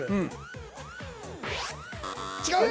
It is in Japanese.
違う。